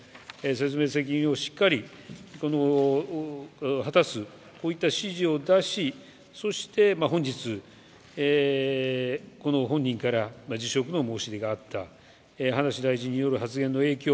説明責任をしっかり果たす、こういった指示を出し、そして本日、本人から辞職の申し出があった、葉梨大臣による発言の影響